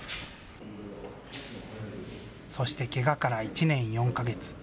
そしてけがから１年４か月。